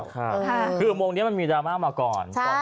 คืออุโมงนี้มันมีดรามะมาก่อน